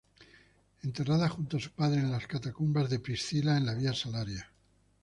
Enterrada junto a su padre en las catacumbas de Priscila en la Vía Salaria.